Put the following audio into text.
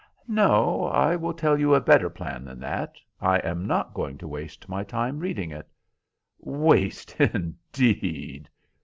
"No; I will tell you a better plan than that. I am not going to waste my time reading it." "Waste, indeed!"